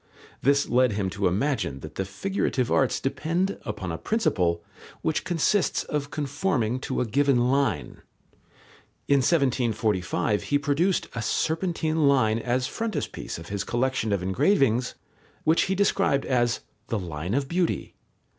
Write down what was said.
This led him to imagine that the figurative arts depend upon a principle which consists of conforming to a given line. In 1745 he produced a serpentine line as frontispiece of his collection of engravings, which he described as "the line of beauty."